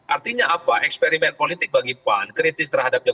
artinya apa eksperimen politik bagi pan kritis terhadap jokowi